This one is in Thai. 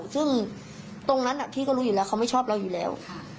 ซึ่งตรงนั้นพี่ก็รู้อยู่แล้วเขาไม่ชอบเราอยู่แล้ว